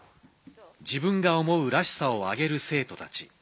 自分が思う「らしさ」を挙げる生徒たち。